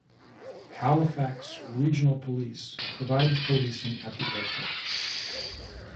Halifax Regional Police provides policing at the airport.